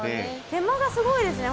手間がすごいですね